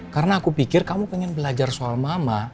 karena aku pikir kamu pengen belajar soal mama